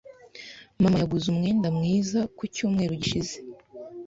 Mama yaguze umwenda mwiza ku cyumweru gishize.